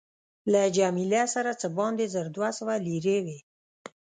له جميله سره څه باندې زر دوه سوه لیرې وې.